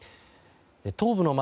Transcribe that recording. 東部の街